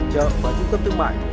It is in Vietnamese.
chợ và trung cấp thương mại